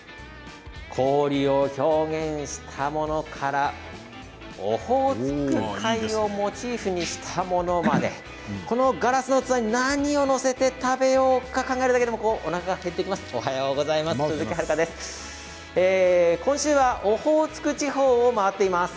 氷を表現したものからオホーツク海をモチーフにしたものまでこのガラスの器に何を載せて食べようか考えるだけでもおなかが減ってきます。